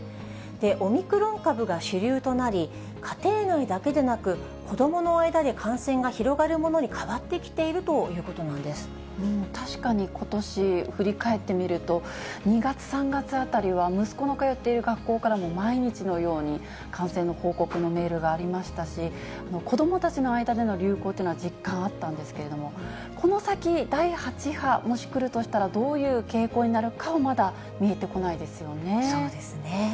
オミクロン株が主流となり、家庭内だけでなく、子どもの間で感染が広がるものに変わってきているということなん確かにことし振り返ってみると、２月、３月あたりは、息子の通っている学校からも毎日のように、感染の報告のメールがありましたし、子どもたちの間での流行というのは実感あったんですけれども、この先、第８波、もし来るとしたら、どういう傾向になるかはまだ見えそうですね。